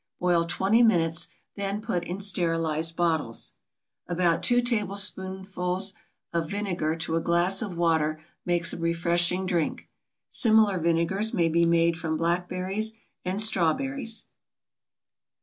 Boil twenty minutes, then put in sterilized bottles. About 2 tablespoonfuls of vinegar to a glass of water makes a refreshing drink. Similar vinegars may be made from blackberries and strawberries.